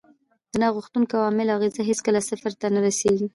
د ناغوښتو عواملو اغېز هېڅکله صفر ته نه رسیږي.